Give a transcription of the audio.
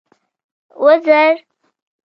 وزر.